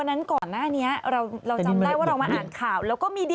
อันนั้นก็มี